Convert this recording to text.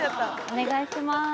お願いします！